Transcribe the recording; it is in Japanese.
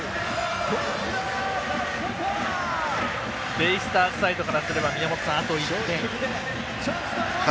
ベイスターズサイドからすればあと１点。